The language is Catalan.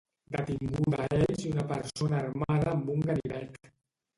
Detinguda a Elx una persona armada amb un ganivet.